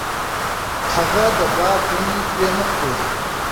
هغه د باغ ونې پرې نه کړې.